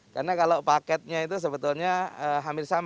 karena kalau paketnya itu sebetulnya hampir sama